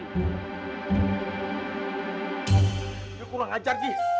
lo kurang ajar ji